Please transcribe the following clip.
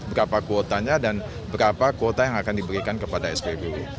berapa kuotanya dan berapa kuota yang akan diberikan kepada spbu